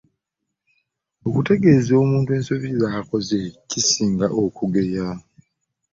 Okuteggeza muntu ensobi gyakoze kisinga akugeya .